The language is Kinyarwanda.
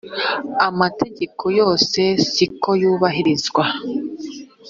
amategeko yose siko yubahirizwa.